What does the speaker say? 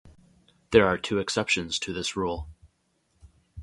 There are two exceptions to this rule.